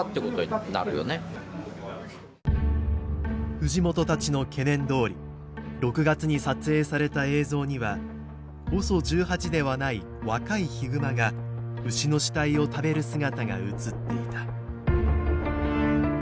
藤本たちの懸念どおり６月に撮影された映像にはＯＳＯ１８ではない若いヒグマが牛の死体を食べる姿が映っていた。